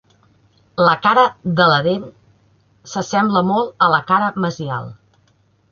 La cara de la dent s'assembla molt a la cara mesial.